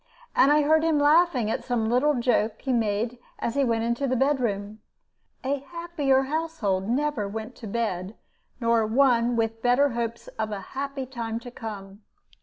And I heard him laughing at some little joke he made as he went into the bedroom. A happier household never went to bed, nor one with better hopes of a happy time to come.